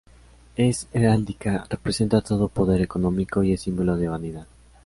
En heráldica, representa todo poder económico y es símbolo de vanidad.